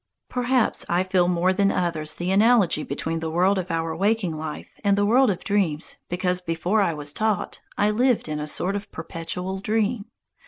Perhaps I feel more than others the analogy between the world of our waking life and the world of dreams because before I was taught, I lived in a sort of perpetual dream.